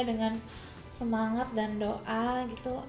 dengan semangat dan doa gitu